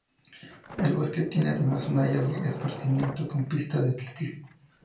El bosque tiene además un área de esparcimiento con pista de atletismo.